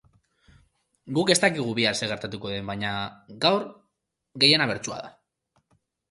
Guk ez dakigu bihar zer gertatuko den, baina gaur gehiena bertsua da.